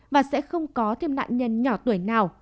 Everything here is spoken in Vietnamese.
và sẽ không có thêm nạn nhân nhỏ tuổi nào